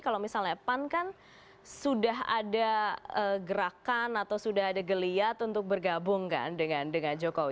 kalau misalnya pan kan sudah ada gerakan atau sudah ada geliat untuk bergabung kan dengan jokowi